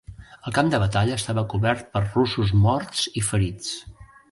El camp de batalla estava cobert per russos morts i ferits.